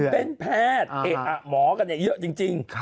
เป็นแพทย์เอกอะหมอกันเยอะจริง